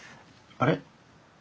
あれ？